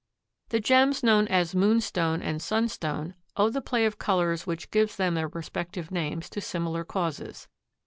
The gems known as moonstone and sunstone owe the play of colors which gives them their respective names to similar causes.